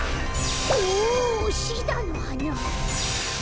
おおシダのはな！